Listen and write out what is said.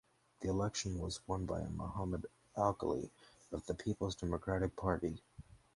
The election was won by Mohammed Alkali of the Peoples Democratic Party.